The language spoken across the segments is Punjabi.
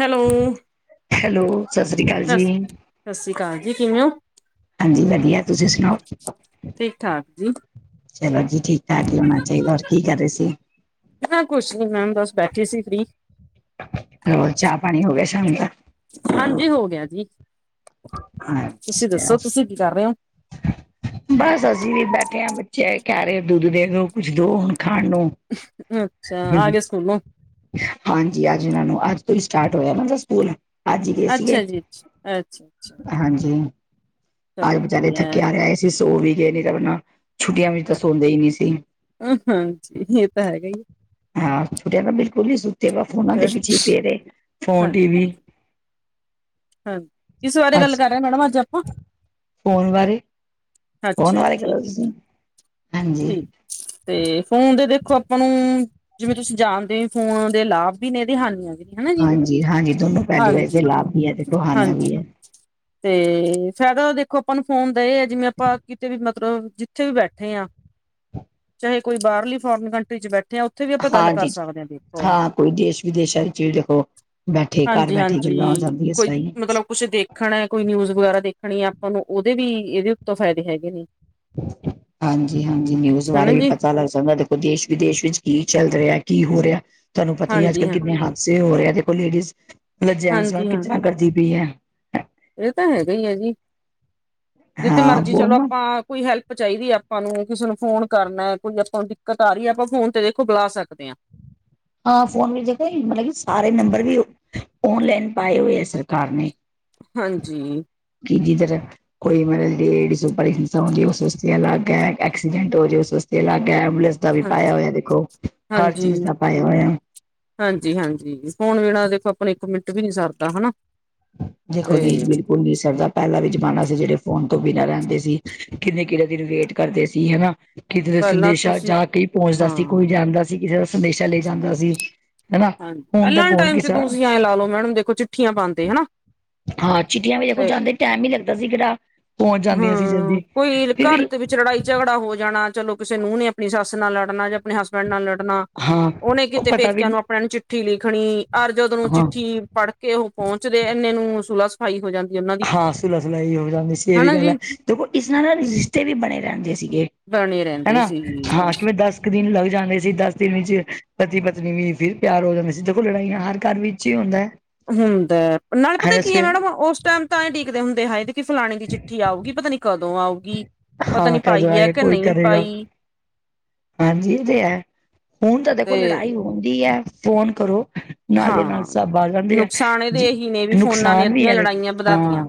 ਹੈਲੋ। ਹੈਲੋ, ਸਤਿ ਸ੍ਰੀ ਅਕਾਲ ਜੀ। ਸ ਸਤਿ ਸ਼੍ਰੀ ਅਕਾਲ ਜੀ। ਕਿਵੇਂ ਹੋ? ਹਾਂਜੀ, ਵਧੀਆ ਤੁਸੀਂ ਸੁਣਾਓ? ਠੀਕ ਠਾਕ ਜੀ ਚਲੋ ਜੀ ਠੀਕ। ਜਾ ਕੀ ਹੋਣਾ ਚਾਹੀਦਾ। ਔਰ ਕੀ ਕਰ ਰਹੇ ਸੀ? ਮੈਂ, ਕੁਛ ਨੀ ਮੈਮ। ਬਸ ਬੈਠੇ ਸੀ ਫਰੀ। ਹੋਰ, ਚਾਹ- ਪਾਣੀ, ਹੋ ਗਿਆ ਸ਼ਾਮ ਦਾ। ਹਾਂਜੀ, ਹੋ ਗਿਆ ਜੀ। ਤੁਸੀਂ ਅੱਛਾ, ਦੱਸੋ, ਤੁਸੀਂ ਕੀ ਕਰ ਰਹੇ ਹੋ? ਬਸ ਅਸੀਂ ਵੀ, ਬੈਠੇ ਹਾਂ। ਬੱਚੇ ਕਹਿ ਰਹੇ, ਦੁੱਧ ਦੇ ਦੋ, ਕੁਛ ਦੋ ਹੁਣ ਖਾਣ ਨੂੰ। ਅੱਛਾ। ਆ ਗਏ ਸਕੂਲ ਦੋ। ਹਾਂਜੀ, ਅੱਜ ਇਹਨਾਂ ਨੂੰ। ਅੱਜ ਤੋਂ ਹੀ ਸਟਾਰਟ ਹੋਇਆ। ਓਨਦਾ ਸਕੂਲ। ਅੱਜ ਹੀ, ਗਣੇ ਸੀਗੇ। ਅੱਛਾ ਜੀ ਅੱਛਾ ਅੱਛਾ ਅੱਛਾ ਹਾਂਜੀ। ਆਜ ਚਲੋ ਵਿਚਾਰੇ ਥੱਕੇ- ਵਧੀਆ ਹਾਰੇ ਆਏ ਸੀ। ਸੋ ਵੀ ਗਏ ਨੇ ਅਪਨਾ, ਛੁੱਟੀਆਂ ਵਿੱਚ ਤਾਂ ਸੌਂਦੇ ਹੀ ਨਹੀਂ ਸੀ। ਹਾਂ, ਹਾਂਜੀ। ਇਹ ਤਾਂ, ਹੈਗਾ ਹੀ। ਹਾਂ, ਛੁਟਿਆ ਤਾਂ ਬਿਲਕੁਲ ਨੀ ਸੁੱਤੇ। ਵਾ ਫੋਨਾਂ ਦੇ, ਪਿੱਛੇ ਪਣੇ ਰਹੇ। Phone, TV. ਹਾਂ, ਕਿਸ ਬਾਰੇ, ਗੱਲ ਅੱਜ ਕਰ ਰਹੇ। ਮੈਡਮ ਅੱਜ ਆਪਾਂ। ਫੋਨ ਬਾਰੇ ਫੋਨ ਅੱਛਾ ਜੀ, ਬਾਰੇ ਕਰੋ ਠੀਕ ਹੈ ਜੀ, ਤੁਸੀਂ? ਹਾਂਜੀ, ਠੀਕ। ਤੇ, ਫੋਨ ਤੇ ਦੇਖੋ, ਆਪਾਂ ਨੂੰ, ਜਿਵੇਂ ਤੁਸੀਂ ਜਾਣਦੇ ਹੋ। ਫੋਨ ਦੇ, ਲਾਭ ਵੀ ਨੇ, ਤੇ ਹਾਨੀਆਂ ਵੀ। ਹਨਾ ਜੀ ਹਾਂਜੀ- ਹਾਂਜੀ, ਦੋਨੋ ਪਹਿਲੀ [unintelligible] ਵਾਰੀ ਤੇ ਹਾਂਜੀ ਲਾਭ ਭੀ ਹੈ ਤੇ। ਕਹਾਣੀਆਂ ਹਾਂਜੀ। [inaudible] ਤੇ, ਫਾਇਦਾ ਦੇਖੋ ਆਪਾਂ ਨੂੰ, ਫੋਨ ਦਾ ਇਹ ਹੈ। ਜਿਵੇਂ ਆਪਾਂ ਕਿਤੇ ਵੀ, ਮਤਲਬ ਜਿੱਥੇ ਵੀ ਬੈਠੇ ਹਾਂ। ਕੋਈ ਬਾਹਰਲੀ, ਫੋਰਨ ਕੰਟਰੀ ਚ, ਬੈਠੇ ਆ, ਉੱਥੇ ਵੀ, ਆਪਾਂ ਗੱਲ ਕਰ ਹਾਂਜੀ, ਸਕਦੇ ਹਾਂ। ਦੇਖੋ ਹਾਂ, ਕੋਈ ਦੇਸ਼- ਵਿਦੇਸ਼ਾਂ ਵਿੱਚ ੜੇਖ ਬੈਠੇ, ਘਰ ਬੈਠੇ ਗੱਲਾਂ ਹੋ ਜਾਂਦੀਆਂ ਇਸ ਤਾਈ। ਘਰੋ ਕੁਛ ਦੇਖਣਾ ਹੈ। ਕੋਈ ਨਿਊਜ਼ ਵਗੈਰਾ ਦੇਖਣੀ ਹੈ। ਆਪਾਂ ਨੂੰ, ਉਹਦੇ ਵੀ ਇਹਦੇ ਉਤੋਂ ਫ਼ਾਇਦੇ ਹੈਗੇ ਨੇ। ਹਾਂਜੀ- ਹਾਂਜੀ, ਨਿਊਜ਼ ਹਨਾ ਬਾਰੇ ਵੀ, ਜੀ ਪਤਾ ਲੱਗ ਜਾਂਦਾ। ਦੇਸ਼- ਵਿਦੇਸ਼ ਵਿੱਚ, ਕੀ ਚੱਲ ਰਿਹਾ। ਕੀ ਹੋ ਰਿਹਾ, ਤੁਹਾਨੂੰ ਪਤਾ ਹੀ, ਅੱਜ ਹਾਂਜੀ ਕੱਲ ਹਾਂ ਕਿੰਨੇ ਹੱਥ ਸੇ ਹੋ ਰਿਹਾ ਆ। ਦੇਖੋ ਲੇਡੀਜ਼, ਮਤਲਬ ਜੈਂਟਸ ਨਾਲ, ਹਾਂਜੀ ਹਾਂ ਕਿੱਚਰਾ ਕਰਦੀ ਪਈ ਹੈ। ਇਹ ਤਾਂ, ਹੈਗਾ ਹੀ ਹੈ ਜੀ। ਜਿੱਥੇ ਹਾਂ ਮਰਜੀ ਵੋ ਚਲੋ ਆਪਾਂ, ਕੋਈ ਹੈਲਪ ਚਾਹੀਦੀ। ਸਾਨੂੰ ਕਿਸੇ ਨੂੰ, ਫੋਨ ਕਰਨਾ ਕੋਈ ਆਪਾਂ ਨੂੰ, ਦਿੱਕਤ ਆ ਰਹੀ ਹੈ। ਆਪਾਂ ਫੋਨ ਤੇ ਦੇਖੋ ਬੁਲਾ ਸਕਦੇ ਹਾਂ। ਹਾਂ, ਫੋਨ ਵਿੱਚ, ਜ ਮਤਲਬ ਕਿ ਸਾਰੇ ਨੰਬਰ ਵੀ, ਓਨਲਾਈਨ ਪਾਏ ਹੋਏ, ਆ ਸਰਕਾਰ ਨੇ। ਹਾਂਜੀ। ਸਿਧੀ ਤਰਾਂ ਰੱਖ। ਕੋਈ ਮਤਲਬਪ ਲੇਡੀ ਓਪਰ, ਹਿੰਸਾ ਹੋ ਜਾਏ। ਉਹ ਵਸਤੇ ਅਲੱਗ ਹੈ। ਐਕਸੀਡੈਂਟ ਹੋ ਜਾਵੇ, ਉਹ ਵਸਤੇ ਅਲੱਗ ਹੈ। ਐਬੂਲੈਂਸ ਦਾ ਵੀ ਹਾਂ ਪਾਇਆ ਹੋਇਆ ਦੇਖੋ ਹਰ ਚੀਜ਼ ਦਾ ਪਾਇਆ ਹੋਇਆ ਹਾਂਜੀ ਹਾਂਜੀ ਫੋਨ ਵੇਨਾਂ ਦੇਖੋ ਆਪਣਾ ਇੱਕ ਮਿੰਟ ਵੀ ਨਹੀਂ ਸਰਦਾ ਹਨਾ। ਦੇਖੋ ਤੇ ਨੀ ਬਿਲਕੁਲ ਨੀ ਸਰਦਾ। ਪਹਿਲਾਂ ਵੀ ਜ਼ਮਾਨਾ ਸੀ ਜਿਹੜੇ ਫੋਨ ਤੋਂ ਬਿਨਾਂ ਰਹਿੰਦੇ ਸੀ, ਕਿੰਨੇ ਕਿਹੜੇ ਦਿਨ ਵੇਟ ਕਰਦੇ ਸੀ ਹਨਾ। ਕਿਤੇ ਦੇ ਪਹਿਲਾਂ ਸੰਦੇਸ਼ਾ ਤੁਸੀਂ ਜਾਂ ਕੋਈ ਪਹੁੰਚਦਾ ਹਾਂ ਸੀ ਕੋਈ ਜਾਂਦਾ ਸੀ ਕਿਸੇ ਦਾ ਸੰਦੇਸ਼ਾ ਲੈ ਜਾਂਦਾ ਸੀ। ਹਨਾ ਹਾਂਜੀ। ਹੁਣ ਪਹਿਲਾਂ ਤਾਂ ਵਾਲੇ ਕੌਣ ਟਾਈਮ 'ਚ ਕਿਸੇ ਤੁਸੀਂ ਐਂ ਲਾਲੋ ਮੈਡਮ ਦੇਖੋ ਚਿੱਠੀਆਂ ਪਾਉਂਦੇ ਹਨਾ। ਹਾਂ ਚਿੱਟੀਆਂ ਵੀ ਦੇਖੋ ਤੇ ਜਾਂਦੇ ਟਾਈਮ ਈ ਲੱਗਦਾ ਸੀ ਕਿਹੜਾ। ਪਹੁੰਚ ਜਾਂਦੀਆਂ ਸੀ ਹਾਂ ਜਲਦੀ ਕੋਈ ਫਿਰ ਘਰ ਵੀ ਦੇ ਵਿੱਚ ਲੜਾਈ ਝਗੜਾ ਹੋ ਜਾਣਾ ਚਲੋ ਕਿਸੇ ਨੂੰਹ ਨੇ ਆਪਣੀ ਸੱਸ ਨਾਲ ਲੜਨਾ ਜਾਂ ਆਪਣੇ ਹੱਸ ਹਸਬੈਂਡ ਨਾਲ ਲੜਨਾ ਹਾਂ ਉਹਨੇ ਉਹ ਕਿਤੇ ਪਤਾ ਪੇਕਿਆਂ ਵੀ ਨੂੰ ਆਪਣੇਆਂ ਨੂੰ ਚਿੱਠੀ ਲਿਖਣੀ। ਅਰ ਜਦੋ ਨੂੰ ਹਾਂ ਚਿੱਠੀ ਪੜ੍ਹ ਕੇ ਉਹ ਪਹੁੰਚਦੇ ਇਨੇ ਨੂੰ ਸੁਲਹ ਸਫਾਈ ਹੋ ਜਾਂਦੀ ਉਹਨਾਂ ਦੀ। ਹਾਂ, ਸੁਲਾ-ਸੁਲਾਈ ਹੋ ਜਾਂਦੀ ਸੀ। ਇਹ ਵੀ ਹਨਾ ਗੱਲ ਹੈ ਜੀ ਦੇਖੋ ਇਸ ਨਾਲ ਰਿਸ਼ਤੇ ਵੀ ਬਣੇ ਰਹਿੰਦੇ ਸੀਗੇ। ਬਣੇ ਰਹਿੰਦੇ ਹਨਾ ਸੀ ਹਾਂ ਕਿਵੇਂ ਦੱਸ ਇੱਕ ਦਿਨ ਲੱਗ ਜਾਂਦੇ ਸੀ ਦਸ ਦਿਨ ਵਿੱਚ ਪਤੀ ਪਤਨੀ ਵੀ ਫਿਰ ਪਿਆਰ ਹੋ ਜਾਂਦੇ ਸੀ ਦੇਖੋ ਲੜਾਈ ਨਾਲ ਹਰ ਘਰ ਵਿੱਚ ਹੀ ਹੁੰਦਾ ਏ। ਹੁੰਦਾ। ਨਾਲੇ ਪਤਾ ਕੀ ਐ ਮੈਡਮ ਉਸ ਟਾਈਮ ਤਾਂ ਹੀ ਉਡੀਕਦੇ ਹੁੰਦੇ ਹੈਏ ਕਿ ਫਲਾਣੇ ਚਿੱਠੀ ਆਗੀ ਪਤਾ ਨੀ ਕਦੋਂ ਆਉਗੀ? ਪਤਾ ਹਾਂ ਨੀ ਕਦੋਂ ਪਾਈ ਐ ਆਏਗਾ ਕਿ ਕੋਈ ਨਹੀਂ ਕਰੇਗਾ ਪਾਈ। ਹਾਂਜੀ ਇਹ ਤੇ ਹੈ, ਹੁਣ ਤਾਂ ਦੇਖੋ ਤੇ ਲੜਾਈ ਹੁੰਦੀ ਹੈ ਫੋਨ ਕਰੋ ਨਾਲੋਂ ਨਾਲ ਹਾਂ ਸਭ ਆ ਜਾਂਦੇ ਆ ਨੁਕਸਾਨ ਇਹਦੇ ਜ ਇਹੀ ਨੇ ਵੀ ਫੋਨਾਂ ਨੇ ਨੁਕਸਾਨ ਵੀ ਅੱਧੀਆਂ ਵੇ ਲੜਾਈਆਂ ਵਧਾਤੀਆਂ ਹਾਂ।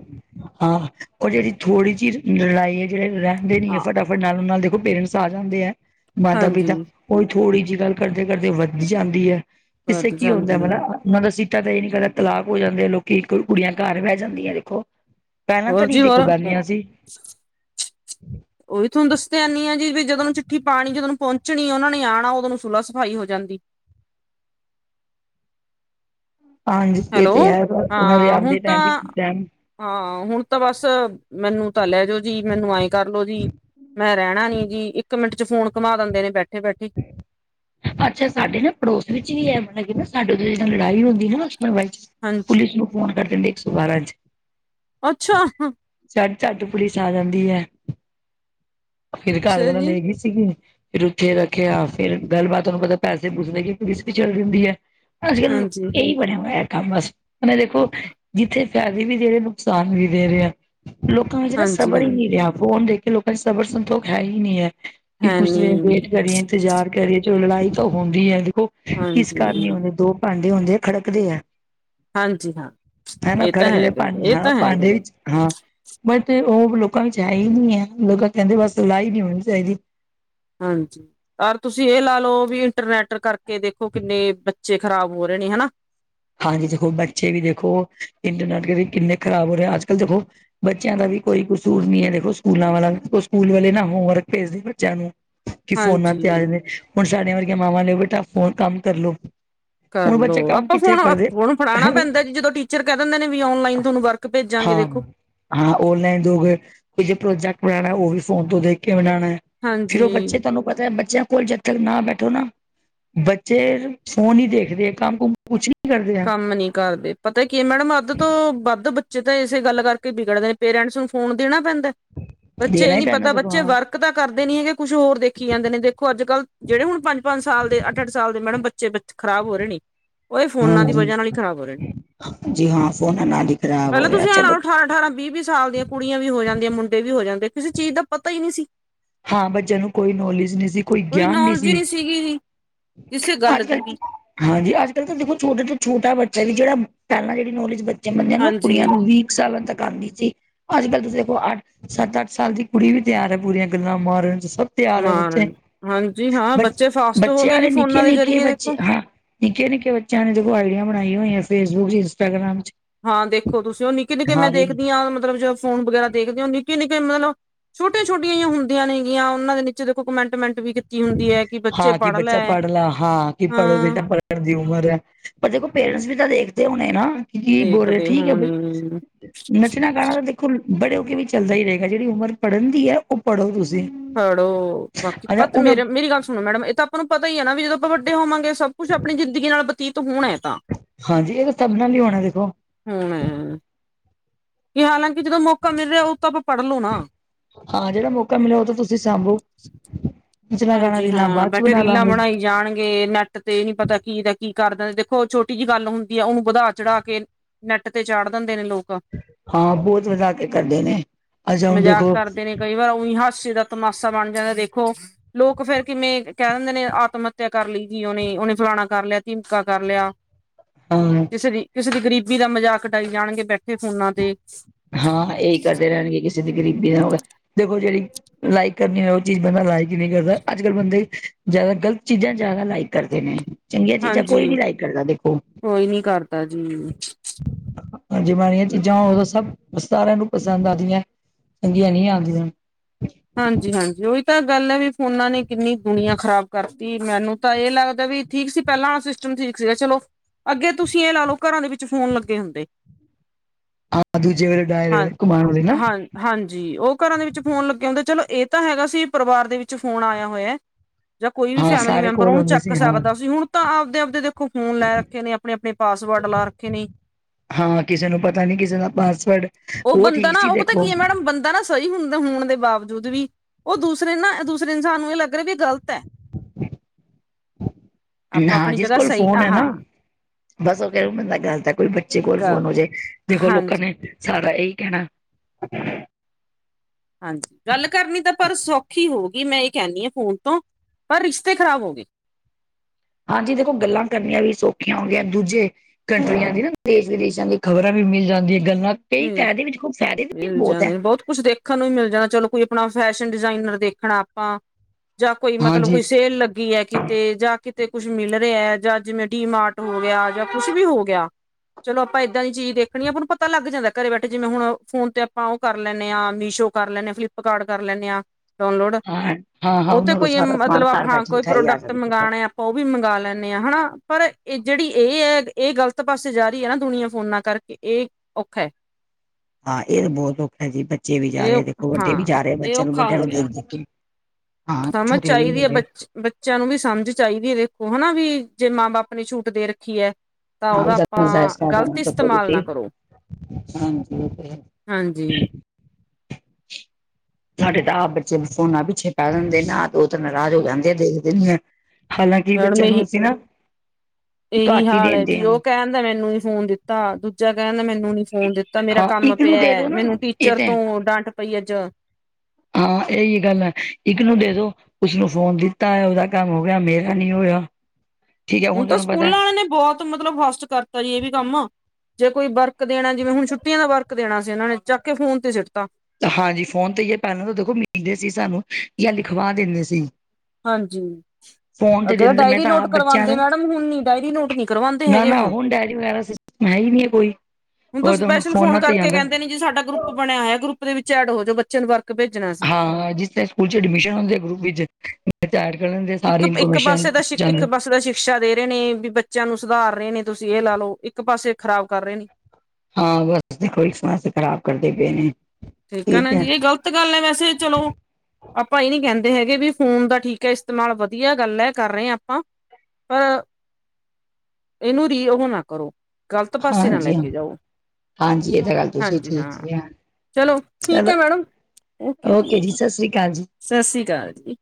ਹਾਂ ਉਹ ਜਿਹੜੀ ਥੋੜ੍ਹੀ ਜਿਹੀ ਲੜਾਈ ਹੈ ਜਿਹੜੇ ਰਹਿੰਦੇ ਨੀ ਹੈ ਹਾਂ ਫਟਾਫਟ ਨਾਲੋਂ-ਨਾਲ ਦੇਖੋ ਪੇਰੈਂਟਸ ਆ ਜਾਂਦੇ ਹੈ ਹਾਂਜੀ ਮਾਤਾ-ਪਿਤਾ ਉਈ ਥੋੜ੍ਹੀ ਜਿਹੀ ਗੱਲ ਕਰਦੇ-ਕਰਦੇ ਵੱਧ ਜਾਂਦੀ ਹੈ, ਇਸੇ ਵੱਧ ਕੀ ਹੁੰਦਾ ਜਾਂਦੀ ਬਲਾ ਆ ਉਹਨਾਂ ਦਾ ਸੀਟਾਂ ਤਾਂ ਇਹ ਨੀ ਕਦਾ ਤਲਾਕ ਹੋ ਜਾਂਦੇ ਲੋਕੀ ਕੁੜੀਆਂ ਘਰ ਬਹਿ ਜਾਂਦੀਆਂ ਦੇਖੋ। ਪਹਿਲਾਂ ਤਾਂ ਨਹੀਂ ਦੇਖੋ ਗਹਿਲੀਆਂ ਅਸੀ ਉਵੀ ਥੋਨੂੰ ਦੱਸਦੇ ਆਨੀ ਆ ਜੀ ਵੀ ਜਦੋਂ ਚਿ ਠੀ ਪਾਣੀ ਜਦੋਂ ਨੂੰ ਪਹੁੰਚਣੀ ਉਹਨਾਂ ਨੇ ਆਉਣਾ ਉਦੋਂ ਨੂੰ ਸੁੂਲਹ-ਸਫ਼ਾਈ ਹੋ ਜਾਂਦੀ। ਹਾਂਜੀ ਇਹ ਹੈਲੋ ਤੇ ਹੈ ਪਰ ਉਹਨਾਂ ਦੇ ਹਾਂ ਹੁਣ ਆਦੇ ਟਾਈਮ ਵੀ ਤਾਂ ਟਮ ਹਾਂ ਹੁਣ ਤਾਂ ਬਸ ਮੈਨੂੰ ਤਾਂ ਲੈ ਜਾਓ ਜੀ ਮੈਨੂੰ ਐਏਂ ਕਰ ਲੋ ਜੀ। ਮੈਂ ਰਹਿਣਾ ਨੀ ਜੀ ਇੱਕ ਮਿੰਟ 'ਚ ਫੋਨ ਘੁਮਾ ਦਿੰਦੇ ਨੇ ਬੈਠੇ-ਬੈਠੇ। ਅੱਛਾ ਸਾਡੇ ਨਾ ਪੜੋਸ ਵਿੱਚ ਵੀ ਹੈ ਮਤਲਬ ਨਾ ਸਾਡੇ ਉਧੋਂ ਜਿੱਦਾਂ ਲੜਾਈ ਹੁੰਦੀ ਨਾ ਹਸਬੈਂਡ ਵਾਈਫ 'ਚ। ਹਾਂ ਪੁਲਿਸ ਨੂੰ ਫ਼ੋਨ ਕਰ ਦਿੰਦੇ ਇੱਕ ਸੌ ਬਾਰਾਂ 'ਚ ਅੱਛਾ ਝੱਟ ਝੱਟ ਪੁਲਿਸ ਆ ਜਾਂਦੀ ਹੈ। ਫਿਰ ਘਰ ਅੱਛਾ ਵਾਲਾ ਜੀ ਲੈ ਗੇ। ਸੀਗੇ ਫਿਰ ਉੱਥੇ ਰੱਖਿਆ ਫੇਰ ਗੱਲਬਾਤ ਤੁਹਾਨੂੰ ਪਤਾ ਪੈਸੇ ਪੂਸੇ ਕਿ ਪੁਲਿਸ ਵੀ ਚੱਲੀ ਜਾਂਦੀ ਐ। ਅੱਜ-ਕੱਲ ਹਾਂਜੀ ਇਹੀ ਬਣਿਆ ਹੋਇਆ ਕੰਮ ਬਸ ਮ ਦੇਖੋ, ਜਿੱਥੇ ਫ਼ਾਇਦੇ ਵੀ ਦੇ ਰਹੇ ਨੁਕਸਾਨ ਵੀ ਦੇ ਰੇਆ ਲੋਕਾਂ ਵਿੱਚ ਨਾ ਹਾਂਜੀ ਹਾਂਜੀ ਸਬਰ ਈ ਨੀ ਰਿਹਾ ਫੋਨ ਦੇਖ ਲੋਕਾਂ 'ਚ ਸਬਰ-ਸੰਤੋਖ ਹੈ ਹੀ ਨਹੀਂ ਹੈ ਕਿ ਕੁਝ ਹੈਨੀ ਵੇਟ ਕਰੀਏ ਇੰਤਜ਼ਾਰ ਕਰੀਏ। ਲੜਾਈ ਤਾਂ ਹੁੰਦੀ ਹੈ ਦੇਖੋ ਕਿਸ ਘਰ ਨੀ ਹਾਂਜੀ ਹੁੰਦੀ ਦੋ ਭਾਂਡੇ ਹੁੰਦੇ ਆ ਖੜਕਦੇ ਐ। ਹਾਂਜੀ ਹਾਂ ਹਨ ਨਾ ਇਹ ਤਾਂ ਖੜਕਦੇ ਹੈਗਾ ਹੀ ਹੈ, ਭਾਂਡੇ ਇਹ ਹਾਂ ਤਾਂ ਹੈਗਾ ਹੀ ਭਾਂਡੇ ਹੈ। ਵਿੱਚ ਹਾਂ ਬਟ ਉਹ ਲੋਕਾਂ ਵਿੱਚ ਹੈ ਈ ਨਹੀਂ ਹੈ, ਲੋਕਾਂ ਕਹਿੰਦੇ ਬਸ ਲੜਾਈ ਨਹੀ ਹੋਣੀ ਚਾਹੀਦੀ। ਹਾਂਜੀ ਅਰ ਤੁਸੀਂ ਇਹ ਲਾ ਲਓ ਵੀ ਇੰਟਰਨੈਟ ਕਰਕੇ ਦੇਖੋ ਕਿੰਨੇ ਬੱਚੇ ਖਰਾਬ ਹੋ ਰਹੇ ਨੇ ਹਨਾ। ਹਾਂਜੀ ਦੇਖੋ ਬੱਚੇ ਵੀ ਦੇਖੋ ਇੰਟਰਨੈਟ ਵੀ ਕਿੰਨੇ ਖ਼ਰਾਬ ਹੋ ਰਹੇ ਆ ਅੱਜ-ਕੱਲ੍ਹ ਦੇਖੋ। ਬੱਚਿਆਂ ਦਾ ਵੀ ਕੋਈ ਕਸੂਰ ਨੀ ਹੈ ਦੇਖੋ ਸਕੂਲਾਂ ਵਾਲਾ ਦੇ ਸਕੂਲ ਵਾਲੇ ਨਾ ਹੋਮਵਰਕ ਭੇਜਦੇ ਬੱਚਿਆਂ ਨੂੰ। ਕਿ ਫੋਨਾਂ ਤੇ ਆ ਹਾਂਜੀ ਜਾਂਦੇ ਨੇ ਹੁਣ ਸਾਡੀਆਂ ਵਰਗੀਆਂ ਮਾਵਾਂ ਲਓ ਬੇਟਾ ਫੋਨ ਕੰਮ ਕਰ ਲੋ ਕਰਲੋ ਆਪਾਂ ਹੁਣ ਹੁਣ ਫੜਾਣਾ ਪੈਂਦਾ ਹਾਂ ਜੀ ਜਦੋਂ ਟੀਚਰ ਕਹਿ ਦਿੰਦੇ ਨੇ ਵੀ ਔਨਲਾਈਨ ਤੁਹਾਨੂੰ ਵਰਕ ਭੇਜਾਂਗੇ ਦੇਖੋ। ਹਾਂ ਓਨਲਾਈਨ ਦੋਗੇ ਪ੍ਰੋਜੈਕਟ ਬਣਾਉਣਾ ਉਹ ਵੀ ਫੋਨ ਤੋਂ ਦੇਖ ਕੇ ਬਣਾਣਾ ਫਿਰ ਉਹ ਹਾਂਜੀ ਬੱਚੇ ਤੁਆਨੂੰ ਪਤਾ ਐ, ਬੱਚਿਆਂ ਕੋਲ ਜਦ ਤੱਕ ਨਾ ਬੈਠੋ ਨਾ, ਬੱਚੇ ਫੋਨ ਈ ਦੇਖਦੇ ਕੰਮ-ਕੁਮ ਕੁਛ ਨੀ ਕਰਦੇ। ਆ ਕੰਮ ਨੀ ਕਰਦੇ, ਪਤਾ ਕੀ ਐ ਮੈਡਮ ਅੱਧ ਤੋਂ ਵੱਧ ਬੱਚੇ ਤਾਂ ਇਸੇ ਗੱਲ ਕਰਕੇ ਬਿਗੜਦੇ ਪੇਰੈਂਟਸ ਨੂੰ ਫੋਨ ਦੇਣਾ ਪੈਂਦਾ, ਬੱਚੇ ਦੇਣਾ ਇਹ ਹੀ ਨੀ ਪੈਂਦਾ ਪਤਾ ਦੇਖੋ ਬੱਚੇ ਹਾਂ ਵਰਕ ਇੱਕਤਾਂ ਕਰਦੇ ਨੀ ਹੈਗੇ ਕੁਛ ਹੋਰ ਦੇਖੀ ਜਾਂਦੇ ਨੇ ਦੇਖੋ ਅੱਜ-ਕੱਲ ਜੇੜੇ ਹੁਣ ਪੰਜ-ਪੰਜ ਸਾਲ ਦੇ, ਅੱਠ- ਅੱਠ ਸਾਲ ਦੇ ਮੈਡਮ ਬੱਚੇ ਬੱਚ ਖਰਾਬ ਹੋ ਰਏ ਨੇ ਉਹ ਇਹ ਫੋਨਾਂ ਦੀ ਹਾਂਜੀ ਵਜ੍ਹਾ ਨਾਲ ਹੀ ਖਰਾਬ ਹੋ ਰਹੇ ਨੇ। ਜੀ ਹਾਂ ਫੋਨ ਨਾਲ ਹੀ ਖ਼ਰਾਬ ਹੋ ਪਹਿਲਾਂ ਰਿਹਾ ਤੁਸੀਂ ਅੱਛਾ ਐਂ ਲਾਲੋ ਅਠਾਰਾਂ-ਅਠਾਰਾਂ ਵੀਹ-ਵੀਹ ਸਾਲ ਦੀਆਂ ਕੁੜੀਆਂ ਵੀ ਹੋ ਜਾਂਦੀਆਂ ਮੁੰਡੇ ਵੀ ਹੋ ਜਾਂਦੇ ਕਿਸੇ ਚੀਜ਼ ਦਾ ਪਤਾ ਈ ਨੀ ਸੀ। ਹਾਂ, ਬੱਚਿਆਂ ਨੂੰ ਕੋਈ ਨੌਲੇਜ ਨਈ ਸੀ, ਕੋਈ ਗਿਆਨ ਨਈ ਸੀ। ਠੀਕ ਐ ਜੀ। ਕਿਸੇ ਗੱਲ ਅੱਜ ਦੀ ਕੱਲ ਵੀ ਹਾਂਜੀ, ਅੱਜ-ਕੱਲ ਤਾਂ ਦੇਖੋ ਛੋਟੇ ਤੋਂ ਛੋਟਾ ਬੱਚਾ ਵੀ ਜੇੜਾ ਪਿਆਰ ਨਾਲ ਜੇੜੀ ਨਾਲੇਜ ਬੱਚੇਆ, ਬੰਦੇਆਂ ਨਾ, ਕੁੜੀਆਂ ਹਾਂਜੀ ਨੂੰ ਵੀ ਸਾਲਾਂ ਤੱਕ ਆਂਦੀ ਸੀ, ਅੱਜ-ਕੱਲ ਤੁਸੀਂ ਦੇਖੋ ਅੱਠ, ਸੱਤ, ਅੱਠ ਸਾਲ ਦੀ ਕੁੜੀ ਵੀ ਤਿਆਰ ਐ ਪੂਰੀਆਂ ਗੱਲਾਂ ਮਾਰਨ ਚ ਸਬ ਤਿਆਰ ਐ ਬੱਚੇ, ਮਾਰਨ ਹਾਂਜੀ ਹਾਂ ਬਚ ਬੱਚੇ ਫਾਸਟ ਹੋ ਗਏ ਬੱਚਿਆਂ ਜੀ ਦੇ ਫੋਨਾਂ ਨਿੱਕੇ-ਨਿੱਕੇ ਜ਼ਰੀਏ ਬੱਚੇ, ਦੇਖੋ ਹਾਂ। ਨਿੱਕੇ-ਨਿੱਕੇ ਬੱਚਿਆਂ ਨੇ ਜੋ ਆਈਡੀਆ ਬਣਾਈਆਂ ਹੋਈਆਂ ਫੇਸਬੁੱਕ ਚ ਇੰਸਟਾਗ੍ਰਾਮ ਚ ਹਾਂ, ਦੇਖੋ ਤੁਸੀਂ ਉਹ ਨਿੱਕੇ-ਨਿੱਕੇ ਮੈਂ ਹਾਂ ਰੀਲ ਦੇਖਦੀ ਆ ਮਤਲਬ ਜ ਫੋਨ ਵਗੈਰਾ ਦੇਖਦੀ ਹ ਉਹ ਨਿੱਕੇ-ਨਿੱਕੇ ਮਤਲਬ ਛੋਟੀਆਂ-ਛੋਟੀਆਂ ਜਈ ਹੁੰਦੀਆਂ ਨੇਗੀਆਂ ਉਹਨਾਂ ਦੇ ਨੀਚੇ ਦੇਖੋ ਕਮੈਂਟ ਮੈਂਟ ਵੀ ਕੀਤੀ ਹੁੰਦੀ ਐ। ਹਾਂ ਕਿ ਬੱਚਾ ਪੜਲਾ ਹਾਂ ਕਿ ਪੜੋ ਹਾਂ ਬੇਟਾ ਪੜ ੜਨ ਦੀ ਉਮਰ ਐ, ਪਰ ਦੇਖੋ ਪੇਰੈਂਟਸ ਵੀ ਤਾਂ ਦੇਖਦੇ ਹੋਣੇ ਨਾ। ਕਿ ਬੋਲ ਰਹੇ ਦੇਖਦੇ ਠੀਕ ਐ ਫੇਰ। ਹੋਣੀ ਨੱਚਣਾ ਗਾਣਾ ਤਾਂ ਦੇਖੋ ਬੜੇ ਹੋ ਕੇ ਵੀ ਚੱਲਦਾ ਈ ਰਹੇਗਾ। ਜੇੜੀ ਉਮਰ ਪੜਨ ਦੀ ਐ ਉਹ ਪੜੋ ਤੁਸੀਂ। ਪੜਓ ਬਾਕੀ ਅੱਛਾ ਪਤ ਉਹਨਾਂ ਮੇਰੇ ਮੇਰੀ ਗੱਲ ਸੁਣੋ ਮੈਡਮ ਇਹ ਤਾਂ ਤੁਆਨੂੰ ਪਤਾ ਈ ਐ ਨਾ ਵੀ ਜਦੋਂ ਆਪਾਂ ਵੱਡੇ ਹੋਵਾਂਗੇ ਸਭ ਕੁੱਛ ਅਪਣੀ ਜ਼ਿੰਦਗੀ ਨਾਲ ਬਤੀਤ ਹੋਣਾ ਏ ਤਾਂ। ਹਾਂਜੀ, ਏਹ ਤਾਂ ਸਭ ਨਾਲ ਈ ਹੋਣਾ ਦੇਖੋ। ਹੋਣਾ। ਕਿ ਹਾਲਾਂਕਿ ਜਦੋਂ ਮੌਕਾ ਮਿਲ ਰਿਆ ਉਹ ਤਬ ਪੜ ਲਉ ਨਾ। ਹਾਂ, ਜੇੜਾ ਮੌਕਾ ਮਿਲਿਆ ਉਹ ਤਾਂ ਤੁਸੀ ਸਾਂਭੋ, ਨਚਨਾ, ਗਾਣਾ, ਹਾਂਜੀ ਰੀਲਾਂ ਹਾਂ ਬਾਦ ਚ ਬੈਠੇ ਬਣਾ ਰੀਲਾਂ ਲਾਂਗੇ। ਬਣਾਈ ਜਾਣਗੇ ਨੈੱਟ ਤੇ ਨੀ ਪਤਾ ਕੀ ਦਾ ਕੀ ਕਰ ਦੇਣ, ਦੇਖੋ ਛੋਟੀ ਜੀ ਗੱਲ ਹੁੰਦੀ ਏ ਉਹਨੂੰ ਵਧਾ ਚੜਾ ਕੇ ਨੈੱਟ ਤੇ ਚਾੜ ਦਿੰਦੇ ਨੇ ਲੋਕ। ਹਾਂ, ਬੌਤ ਵਧਾ ਕੇ ਕਰਦੇ ਨੇ ਅੱਛਾ, ਹੁਣ ਮਜ਼ਾਕ ਦੇਖੋ ਕਰਦੇ ਨੇ ਕਈ ਵਾਰ ਉਹੀ ਹਾਸੇ ਦਾ ਤਮਾਸਾ ਬਣ ਜਾਂਦੈ, ਦੇਖੋ। ਲੋਕ ਫੇਰ ਕਿਵੇਂ ਕੈ ਦਿੰਦੇ ਨੇ ਆਤਮ ਹੱਤਿਆ ਕਰ ਲਈ ਜੀ ਉਹਨੇ, ਉਹਨੇ ਫਲਾਣਾ ਕਰ ਲਿਆ, ਢਿਮਕਾ ਕਰ ਲਿਆ। ਆ। ਕਿਸੇ ਦੀ, ਕਿਸੇ ਦੀ ਗ਼ਰੀਬੀ ਦਾ ਮਜ਼ਾਕ ਉਡਾਈ ਜਾਣਗੇ ਬੈਠੇ ਫੋਨਾਂ ਤੇ। ਹਾਂ ਏਹੀ ਕਰਦੇ ਰਹਿਣਗੇ, ਕਿਸੇ ਦੀ ਗਰੀਬੀ ਨਾ ਹੋਵੈ, ਦੇਖੋ ਜੇੜੀ ਲਾਈਕ ਕਰਨੀ ਐ, ਉਹ ਚੀਜ਼ ਬੰਦਾ ਲਾਈਕ ਈ ਨੀ ਕਰਦਾ, ਅੱਜ-ਕੱਲ ਬੰਦੇ ਜੈਦਾ ਗਲਤ ਚੀਜ਼ਾਂ ਜੈਦਾ ਲਾਈਕ ਕਰਦੇ ਨੇ। ਚੰਗੀਆਂ ਚੀਜ਼ਾਂ ਕੋਈ ਨੀ ਹਾਂਜੀ ਲਾਈਕ ਕਰਦਾ ਦੇਖੋ। ਕੋਈ ਨੀ ਕਰਦਾ ਜੀ ਜੇ ਮਾੜੀਆ ਚੀਜ਼ਾਂ ਉਹ ਤਾਂ ਸਬ ਓ ਸਾਰੇਆਂ ਨੂੰ ਪਸੰਦ ਆਂਦੀਐ, ਚੰਗੀਆਂ ਨਈ ਆਦੀਆਂ। ਹਾਂਜੀ- ਹਾਂਜੀ, ਉਹੀ ਤਾਂ ਗੱਲ ਐ, ਵੀ ਫੋਨਾ ਨੇ ਕਿੰਨੀ ਦੂਣੀਆਂ ਖ਼ਰਾਬ ਕਰ ਥੀ, ਮੈਨੂੰ ਤਾਂ ਏਹ ਲੱਗਦਾ ਵੀ ਠੀਕ ਸੀ ਪੈਲਾਂ ਸਿਸਟਮ ਠੀਕ ਸੀਗਾ ਚਲੋ। ਅੱਗੇ ਤੁਸੀਂ ਇਹ ਲਾ ਲਓ ਘਰਾਂ ਦੇ ਵਿੱਚ ਫੋਨ ਲੱਗੇ ਹੁੰਦੇ ਆ, ਦੂਜੇ ਵੇਲੇ ਡਾਇਲ ਹਾਂ ਹੋਜਾਨ ਕੁਮਾਂਨ ਵਾਲੇ ਨਾ। ਹਾਂ ਹਾਂਜੀ, ਉਹ ਘਰਾਂ ਦੇ ਵਿੱਚ ਫੋਨ ਲੱਗੇ ਹੁੰਦੇ ਚਲੋ ਇਹ ਤਾਂ ਹੈਗਾ ਸੀ ਪਰਿਵਾਰ ਦੇ ਵਿੱਚ ਫੋਨ ਆਇਆ ਹੋਇਆ। ਯਾ ਕੋਈ ਵੀ ਹਾਂ ਫੈਮਿਲੀ ਸਾਰੇ ਮੈਂਬਰ ਕੋਲ ਉਹਨੂੰ ਹੁੰਦੇ ਚੱਕ ਸੀ ਹਾਂ ਸਕਦਾ ਸੀ ਹੁਣ ਤਾਂ ਆਪਦੇ-ਆਪਦੇ ਦੇਖੋ ਫੋਨ ਲੈ ਰੱਖੇ ਨੇ ਅਪਣੇ-ਅਪਣੇ ਪਾਸਵਰਡ ਲਾ ਰੱਖੇ ਨੇ। ਹਾਂ, ਕਿਸੇ ਨੂੰ ਪਤਾ ਨੀ ਕਿਸੇ ਦਾ ਪਾਸਵਰਡ, ਉਹ ਠੀਕ ਸੀ ਵੇਖੋ। ਸਈ ਹੁੰਦਾ ਹੋਣ ਦੇ ਬਾਵਜੂਦ ਵੀ ਉਹ ਦੂਸਰੇ ਨਾ, ਦੂਸਰੇ ਇਨਸਾਨ ਨੂੰ ਇਹ ਲਗ ਰਿਆ ਗਲਤ ਐ। ਆਪਾਂ ਨਾ ਆਪਣੀ ਜਿਸ ਜਗ੍ਹਾ ਕੋਲ ਸਹੀ ਫੋਨ ਐ ਨਾ ਹਾਂ ਬਸ ਉਹ ਕਹਿ ਬੰਦਾ ਗ਼ਲਤ ਐ, ਕੋਈ ਬੱਚੇ ਕੋਲ ਗਲ ਫੋਨ ਹੋ ਜੇ ਦੇਖੋ ਲੋਕਾਂ ਹਾਂਜੀ ਨੇ ਸਾਰਾ ਏਹੀ ਕਹਿਣਾ ਹਾਂਜੀ, ਗੱਲ ਕਰਨੀ ਤਾਂ ਪਰ ਸੌਖੀ ਹੋ ਗਈ ਮੈਂ ਇਹ ਕਹਨੀ ਆ ਫੋਨ ਤੋਂ ਪਰ ਰਿਸ਼ਤੇ ਖ਼ਰਾਬ ਹੋ ਗਏ। ਹਾਂਜੀ ਵੇਖੋ ਗੱਲਾਂ ਕਰਨੀਆਂ ਵੀ ਸੌਖੀਆਂ ਹੋ ਗਇਆਂ ਦੂਜੇ ਕਟਰੀਆਂ ਦੀ ਨਾ ਦੇਸ਼-ਵਿਦੇਸ਼ਾਂ ਦੀ ਖ਼ਬਰਾਂ ਵੀ ਮਿਲ ਜਾਂਦੀ ਗੱਲਾਂ ਕਈ ਫ਼ੈਦੇ ਵੀ ਦੇਖੋ ਫ਼ੈਦੇ ਵੀ ਤੇ ਬਹੁਤ ਐ। ਬੌਤ ਕੁੱਛ ਦੇਖ ਸਿਖਣ ਨੂੰ ਵੀ ਮਿਲ ਜਾ, ਚਲੋ ਕੋਈ ਆਪਣਾ ਫੈਸ਼ਨ ਡਿਜ਼ਾਇਨਰ ਦੇਖਣਾ ਆਪਾਂ। ਜਾਂ ਕੋਈ ਮਤਲਬ ਹਾਂਜੀ ਕੋਈ ਸੇਲ ਲੱਗੀ ਏ ਕਿ ਤੇ ਜਾਂ ਕਿਤੇ ਕੁਛ ਮਿਲ ਰਿਹਾ। ਜਾਂ ਜਿਵੇਂ ਡੀ ਮਾਰਟ ਹੋ ਗਿਆ ਯਾਂ ਕੁਛ ਵੀ ਹੋ ਗਿਆ। ਚਲੋ ਆਪਾਂ ਏਧਾਂ ਦੀ ਚੀਜ਼ ਦੇਖਣੀ ਏ ਓਨੂੰ ਪਤਾ ਲੱਗ ਲੱਗ ਜਾਂਦਾ। ਘਰੇ ਬੈਠੇ ਜਿਵੇਂ ਹੁਣ ਫੋਨ ਤੇ ਆਪਾਂ ਉਹ ਕਰ ਲੈਂਨੇ ਆ, ਮੀਸ਼ੋ ਕਰ ਲੈਂਨੇ ਆ, ਫਲਿੱਪ ਕਾਰਟ ਕਰ ਲੈਂਨੇ ਆ। ਡਾਊਨਲੋਡ। ਹਾਂ ਹਾਂ ਹਾਂ ਉਹ ਤੇ ਉਹਨਾਂ ਨੂੰ ਕੋਈ ਸਾਰਾ ਸਮਾਨ ਮਤਲਬ ਘਰ ਆਪਾਂ ਬੈਠੇ ਕੋਈ ਬਿਠਾਈ ਆ ਪ੍ਰੋਡਕਟ ਜਾਂਦਾ ਦੇਖੋ ਮੰਗਾਨਾ ਏ ਉਹ ਵੀ ਮੰਗਾ ਲੈਂਨੇ ਆ ਹਨਾ। ਪਰ ਏਹ ਜਿਹੜੀ ਏਹ ਏ ਏਹ ਗ਼ਲਤ ਪਾਸੇ ਜਾ ਰਹੀ ਐ ਨਾ ਦੁਨੀਆਂ ਫੋਨਾਂ ਕਰਕੇ ਇਹ ਔਖਾ ਏ। ਹਾਂ ਇਹ ਬਹੁਤ ਦੁਖ ਐ ਜੀ, ਬੱਚੇ ਵੀ ਜਾ ਰਹੇ ਇਹ ਨੇ, ਦੇਖੋ ਵੱਡੇ ਵੀ ਹਾਂ ਜਾ ਰਹੇ, ਇਹ ਬੱਚਿਆਂ ਨੂੰ ਔਖਾ ਵੱਡਿਆਂ ਹੋ ਨੂੰ ਗਿਆ ਦੇਖ- ਦੇਖ ਕੇ। ਹਾਂ ਸਮਝ ਛੋਟੇ ਵੀ ਚਾਹੀਦੀ ਹੋ ਐ ਗਏ ਬੱਚੇ ਬੱਚਿਆਂ ਨੂੰ ਵੀ ਸਮਝ ਚਾਹੀਦੀ ਐ ਵੇਖੋ ਹਨਾ ਵੀ, ਜੇ ਮਾਂ- ਬਾਪ ਨੇ ਛੂਟ ਦੇ ਰੱਖੀ ਐ। ਤਾਂ ਹਾਂ ਉਦਾ ਉਹਦਾ ਨਜਾਇਜ਼ ਆਪਾਂ ਫਾਇਦਾ ਗ਼ਲਤ ਨਾ ਚੱਕੋ ਇਸਤਮਾਲ ਤੁਸੀਂ ਨਾ ਕਰੋ। ਹਾਂਜੀ ਹਾਂਜੀ। ਸਾਡੇ ਤਾਂ ਆਪ ਬੱਚੇ ਫੋਨਾ ਪਿੱਛੇ ਪੈ ਜਾਂਦੇ ਨੇ ਨਾ, ਤੇ ਉਹ ਤਾਂ ਨਾਰਾਜ਼ ਹੋ ਜਾਂਦੇ ਆ ਦੇਖਦੇ ਨੀ ਐ। ਹਾਲਾਂਕਿ ਮੈਡਮ ਬੱਚਿਆਂ ਨੂੰ ਇਹੀ ਅਸੀਂ ਨਾ ਇਹੀ ਘੱਟ ਹੀ ਹਾਲ ਆ ਦਿੰਦੇ ਜੀ, ਹਾਂ ਉਹ ਕਹਿਣ ਦਾ ਮੈਨੂੰ ਨੀ ਫੋਨ ਦਿੱਤਾ, ਦੂਜਾ ਕਹਿਣ ਦਾ ਮੈਨੂੰ ਨੀ ਫੋਨ ਦਿੱਤਾ। ਤਾਂ ਮੇਰਾ ਹਾਂ ਕੰਮ ਇੱਕ ਨੂੰ ਦੇ ਪਿਆ, ਦੋ ਨਾ ਮੈਨੂੰ ਇਹ ਟੀਚਰ ਤੇ ਤੋਂ ਡਾਂਟ ਪਈ ਅੱਜ। ਹਾਂ ਇਹੀ ਗੱਲ ਐ, ਇੱਕ ਨੂੰ ਦੇ ਦੋ ਉਸਨੂੰ ਫੋਨ ਦਿੱਤਾ ਆ, ਉਹਦਾ ਕੰਮ ਹੋ ਗਿਆ ਮੇਰਾ ਨੀ ਹੋਇਆ। ਠੀਕ ਹੈ ਹੁਣ ਤਾਂ ਤੁਹਾਨੂੰ ਪਤਾ ਸਕੂਲਾਂ ਆਲੇਆਂ ਨੇ ਬਹੁਤ ਮਤਲਬ ਫਾਸਟ ਕਰਤਾ ਜੀ ਇਹ ਵੀ ਕੰਮ ਜੇ ਕੋਈ ਵਰਕ ਦੇਣਾ। ਜਿਵੇਂ ਹੁਣ ਛੁੱਟੀਆਂ ਦਾ ਵਰਕ ਦੇਣਾ ਸੀ ਇਹਨਾਂ ਨੇ ਚੱਕ ਫੋਨ ਤੇ ਸਿਟਤਾ। ਹਾਂਜੀ ਫੋਨ ਤੇ ਹੀ ਪਹਿਲਾਂ ਤਾਂ ਦੇਖੋ ਮਿਲਦੇ ਸੀ ਸਾਨੂੰ ਜਾਂ ਲਿਖਵਾ ਦਿੰਦੇ ਸੀ। ਹਾਂਜੀ। ਫੋਨ ਤੇ ਅੱਗੇ ਦਿੰਦੇ ਮੈਂ ਡਾਇਰੀ ਤਾਂ ਨੋਟ ਆਪ ਬੱਚਿਆਂ ਕਰਵਾਂਦੇ ਦਾ ਮੈਡਮ, ਹੁਣ ਨੀ ਡਾਇਰੀ ਨੋਟ ਨੀ ਕਰਵਾਂਦੇ ਨਾ ਹੈਗੇ ਨਾ ਹੁਣ। ਡਾਇਰੀ ਵਗੈਰਾ ਸਿਸਟਮ ਹੈ ਹੀ ਨਹੀਂ ਕੋਈ। ਹੁਣ ਤਾਂ ਉਹ ਸਪੈਸ਼ਲ ਫੋਨ ਫੋਨਾਂ ਤੇ ਹੀ ਕਰਕੇ ਆਉਂਦਾ ਕਹਿੰਦੇ ਨੇ ਜੀ ਸਾਡਾ ਗਰੁਪ ਬਣਿਆ ਹੋਇਆ, ਗਰੁਪ ਵਿੱਚ ਐਡ ਹੋ ਜੋ ਬੱਚੇ ਨੂੰ ਵਰਕ ਭੇਜਣਾ ਅਸੀਂ। ਹਾਂ ਜਿਸ ਤਾਂ ਸਕੂਲ ਚ ਐਡਮਿਸ਼ਨ ਹੁੰਦੀਆਂ ਗਰੁਪ ਵਿੱਚ। [unintelligible] ਕਰ ਲੈਂਦੇ ਸਾਰੀ ਇੱਕ ਇੱਕ ਇਨਫੋਰਮੇਦੇ ਪਾਸੇ ਦਾ ਇੱਕ ਪਾਸੇ ਦਾ ਸ਼ਿਕਸ਼ਾ ਦੇ ਰਹੇ ਨੇ ਵੀ ਬੱਚਿਆਂ ਨੂੰ ਸੁਧਾਰ ਰਹੇ ਨੇ ਤੁਸੀਂ ਇਹ ਲਾ ਲਓ। ਇੱਕ ਪਾਸੇ ਖਰਾਬ ਕਰ ਰਹੇ ਨੇ। ਹਾਂ, ਬਸ ਦੇਖੋ ਸਮੈਸਟਰ ਖ਼ਰਾਬ ਕਰਦੇ ਪਏ ਨੇ। ਠੀਕ ਐ ਨਾ ਜੀ ਇਹ ਗ਼ਲਤ ਗੱਲ ਐ ਵੈਸੇ ਚਲੋ ਆਪਾਂ ਇਹ ਨੀ ਕਹਿੰਦੇ ਹੈਗੇ ਵੀ ਫੋਨ ਦਾ ਠੀਕ ਏ ਇਸਤੇਮਾਲ ਵਧੀਆ ਗੱਲ ਐ ਕਰ ਰਹੇ ਆ ਆਪਾਂ। ਪਰ [inaudible] ਇਹਨੂੰ ਰਿ ਉਹ ਨਾ ਕਰੋ। ਗ਼ਲਤ ਪਾਸੇ ਨਾ ਲੈ ਹਾਂਜੀ ਹਾਂ ਕੇ ਜਾਓ। ਹਾਂਜੀ ਇਹ ਤਾਂ ਗੱਲ ਤੁਸੀਂ ਹਾਂਜੀ, ਠੀਕ ਹਾਂ। ਕਿਹਾ ਚਲੋ ਠੀਕ ਚਲੋ ਐ ਮੈਡਮ, ਓਕੇ ਜੀ ਓਕੇ। ਅਕਾਲ ਜੀ। ਸਤਿ ਸ੍ਰੀ ਅਕਾਲ ਜੀ।